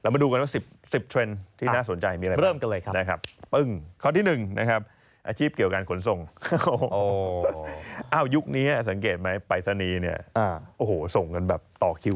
มันซื้อของออนไลน์ไง